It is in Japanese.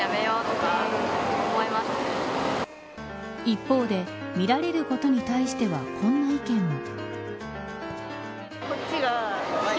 一方で、見られることに対しては、こんな意見も。